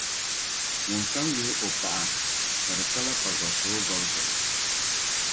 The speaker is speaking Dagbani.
ŋunkam yihi o paɣa ka di pala pagɔrisigu gɔbu zuɣu.